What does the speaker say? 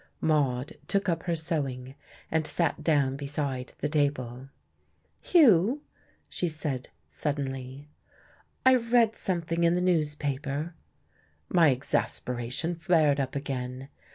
Maude took up her sewing and sat down beside the table. "Hugh," she said suddenly, "I read something in the newspaper " My exasperation flared up again.